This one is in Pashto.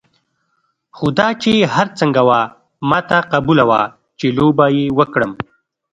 خو دا چې هر څنګه وه ما ته قبوله وه چې لوبه یې وکړم.